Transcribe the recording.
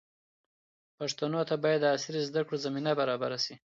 پښتنو ته باید د عصري زده کړو زمینه برابره شي.